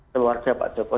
keluarga pak joko